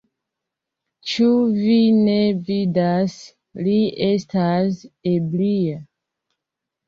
Ĉu vi ne vidas, li estas ebria.